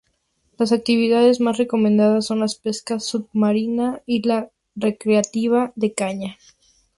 Las actividades más recomendadas son la pesca submarina y la recreativa a caña.